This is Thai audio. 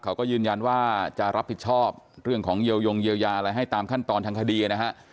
เขาก็ยืนยันว่าจะรับผิดชอบเรื่องของเยียงเยียวยาอะไรให้ตามขั้นตอนทางคดีนะฮะ